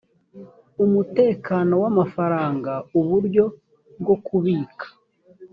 umutekano w amafaranga uburyo bwo kubika